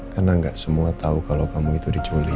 karena gak semua tau kalo kamu itu diculik